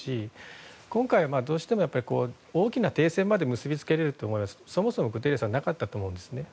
今回はどうしても停戦まで結び付けられるという思いはそもそもグテーレスさんはなかったと思うんですね。